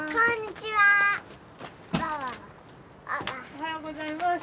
おはようございます。